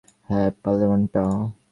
হ্যাঁ, পালোয়ানটা।